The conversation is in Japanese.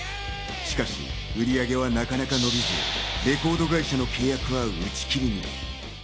しかし、売り上げはなかなか伸びず、レコード会社の契約は打ち切りに。